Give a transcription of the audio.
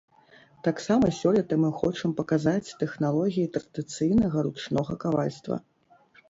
Таксама сёлета мы хочам паказаць тэхналогіі традыцыйнага ручнога кавальства.